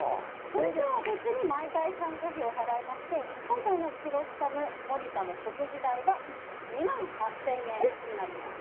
それとは別に毎回、参加費を払いまして今回のクロッサムモリタの食事代は２万８０００円になります。